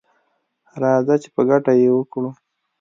راځه چي په ګډه یې وکړو